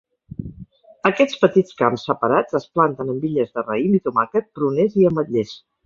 Aquests petits camps separats es planten amb vinyes de raïm i tomàquet, pruners i ametllers.